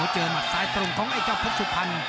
หมัดซ้ายตรงของไอ้เจ้าเพชรสุพรรณ